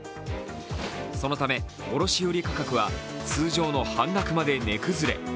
そのため、卸売価格は通常の半額まで値崩れ。